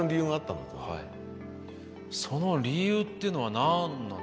その理由っていうのは何なんですかね。